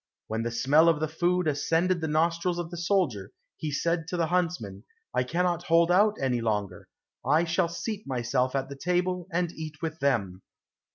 When the smell of the food ascended the nostrils of the soldier, he said to the huntsman, "I cannot hold out any longer, I shall seat myself at the table, and eat with them."